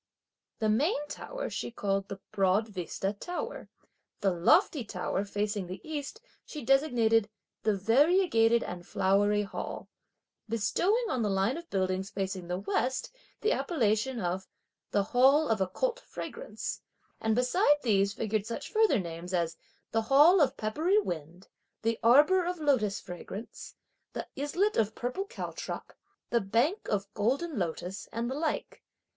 The main tower she called the Broad Vista Tower. The lofty tower facing the east, she designated "the variegated and flowery Hall;" bestowing on the line of buildings, facing the west, the appellation of "the Hall of Occult Fragrance;" and besides these figured such further names as: "the Hall of peppery wind," "the Arbour of lotus fragrance," "the Islet of purple caltrop," "the Bank of golden lotus," and the like.